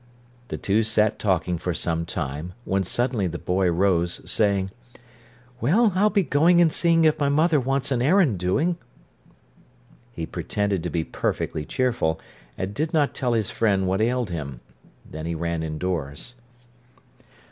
The two sat talking for some time, when suddenly the boy rose, saying: "Well, I'll be going and seeing if my mother wants an errand doing." He pretended to be perfectly cheerful, and did not tell his friend what ailed him. Then he ran indoors.